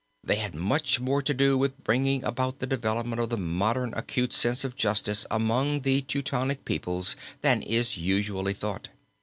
They had much more to do with bringing about the development of the modern acute sense of justice among the Teutonic peoples than is usually thought.